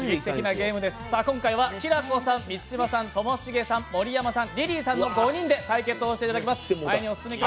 今回はきらこさん、満島さん、ともしげさん、盛山さん、リリーさんの５人で対決していただきます。